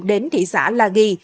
đến thị xã la ghi